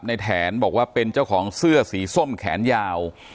แถนบอกว่าเป็นเจ้าของเสื้อสีส้มแขนยาว